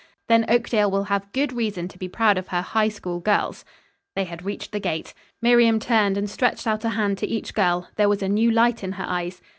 Then Oakdale will have good reason to be proud of her High School girls." They had reached the gate. Miriam turned and stretched out a hand to each girl. There was a new light in her eyes.